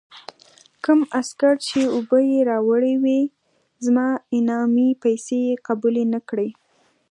کوم عسکر چې اوبه یې راوړې وې، زما انعامي پیسې یې قبول نه کړې.